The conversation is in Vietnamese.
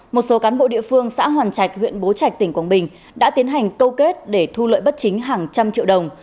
một số cán bộ địa phương xã hoàn trạch huyện bố trạch tỉnh quảng bình đã tiến hành câu kết để thu lợi bất chính hàng trăm triệu đồng